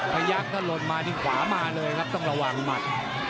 ยักษ์ถ้าหล่นมาที่ขวามาเลยครับต้องระวังหมัด